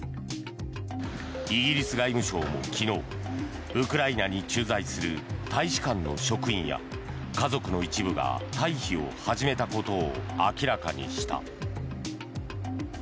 イギリス外務省も昨日ウクライナに駐在する大使館の職員や家族の一部が退避を始めたことを明らかにした。